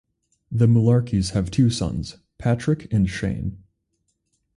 The Mularkeys have two sons, Patrick and Shane.